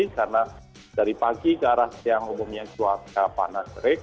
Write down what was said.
karena dari pagi ke arah siang umumnya suara panas serik